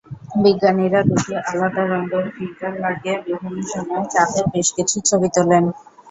বিজ্ঞানীরা দুটি আলাদা রঙের ফিল্টার লাগিয়ে বিভিন্ন সময়ে চাঁদের বেশ কিছু ছবি তোলেন।